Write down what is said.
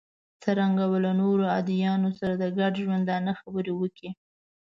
څرنګه به له نورو ادیانو سره د ګډ ژوندانه خبرې وکړو.